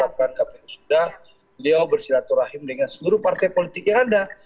keputusan mk sudah ketetapan kpu sudah beliau bersilaturahim dengan seluruh partai politik yang ada